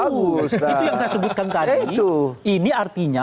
oh itu yang saya sebutkan tadi ini artinya